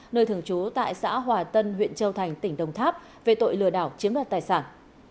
nơi thường trú tại xã hòa tân huyện châu thành tỉnh đồng tháp về tội lừa đảo chiếm đoạt tài sản